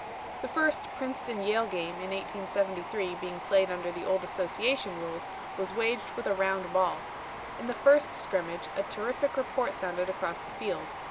"The first Princeton Yale game in 1873 being played under the old Association rules was waged with a round ball. In the first scrimmage a terrific report sounded across the field.